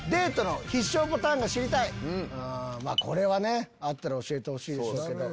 これはあったら教えてほしいでしょうけど。